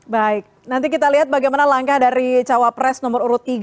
baik nanti kita lihat bagaimana langkah dari cawapres nomor urut tiga mahfud md